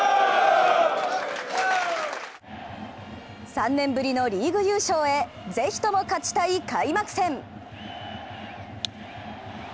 ３年ぶりのリーグ優勝へぜひとも勝ちたい開幕戦。